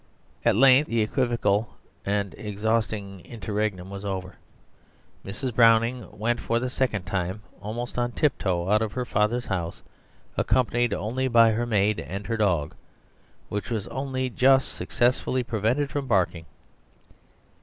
At length the equivocal and exhausting interregnum was over. Mrs. Browning went for the second time almost on tiptoe out of her father's house, accompanied only by her maid and her dog, which was only just successfully prevented from barking.